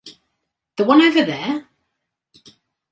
The One Over There?!